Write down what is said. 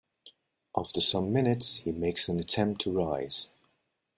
After some minutes he makes an attempt to rise.